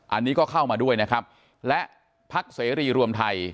อันนี้ก็เข้ามาด้วยนะครับและพักเสรีรวมไทย